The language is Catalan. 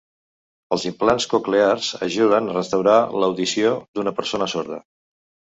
Els implants coclears ajuden a restaurar l'audició d'una persona sorda.